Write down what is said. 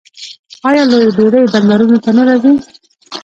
آیا لویې بیړۍ بندرونو ته نه راځي؟